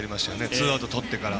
ツーアウトとってから。